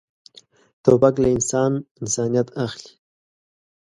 توپک له انسان انسانیت اخلي.